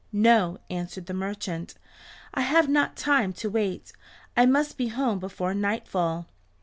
"No," answered the merchant, "I have not time to wait. I must be home before nightfall."